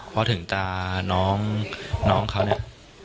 พอถึงตาน้องเขาเนี่ย